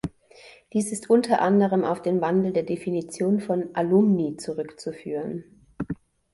Dies ist unter anderem auf den Wandel der Definition von "Alumni" zurückzuführen.